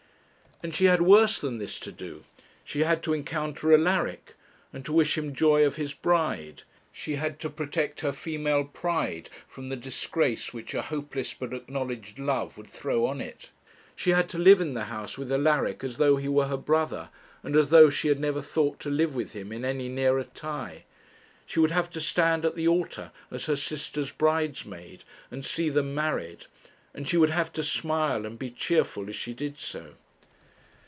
And she had worse than this to do; she had to encounter Alaric, and to wish him joy of his bride; she had to protect her female pride from the disgrace which a hopeless but acknowledged love would throw on it; she had to live in the house with Alaric as though he were her brother, and as though she had never thought to live with him in any nearer tie. She would have to stand at the altar as her sister's bridesmaid, and see them married, and she would have to smile and be cheerful as she did so.